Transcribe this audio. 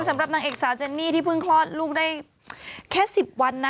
สำหรับนางเอกสาวเจนนี่ที่เพิ่งคลอดลูกได้แค่๑๐วันนะ